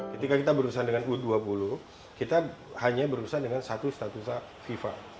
ketika kita berusaha dengan u dua puluh kita hanya berusaha dengan satu statusa fifa